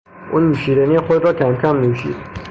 او نوشیدنی خود را کمکم نوشید.